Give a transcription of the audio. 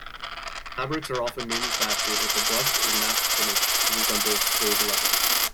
Fabrics are often manufactured with a brushed or napped finish to resemble suede leather.